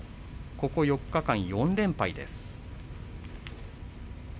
ここ４日間４連敗です。